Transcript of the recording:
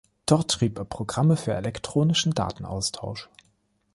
Dort schrieb er Programme für elektronischen Datenaustausch.